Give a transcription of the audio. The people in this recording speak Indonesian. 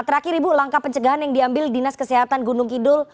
terakhir ibu langkah pencegahan yang diambil dinas kesehatan gunung kidul